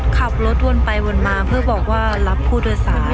ขับรถวนไปวนมาเพื่อบอกว่ารับผู้โดยสาร